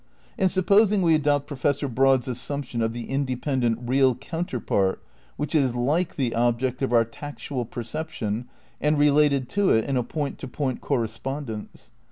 And supposing we adopt Professor Broad's assump tion of the independent real "counterpart" which is "like" the object of our tactual perception and related to it in a point to point correspondence